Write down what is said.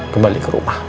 kembali ke rumah